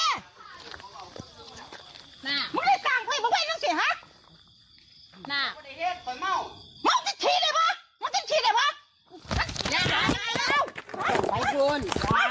สาวของตัวให้โปะโดยนาน